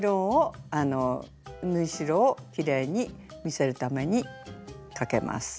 縫い代をきれいに見せるためにかけます。